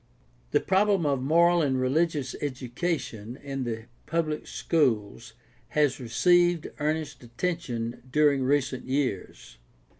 The problem of moral and religious educatfon in the pubb'c schools has received earnest attention during recent years.